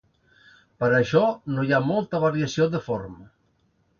Per això, no hi ha molta variació de forma.